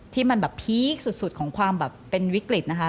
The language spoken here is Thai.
ที่มันแบบพีคสุดของความแบบเป็นวิกฤตนะคะ